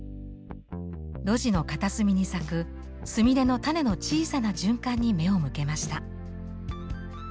路地の片隅に咲くスミレの種の小さな循環に目を向けました。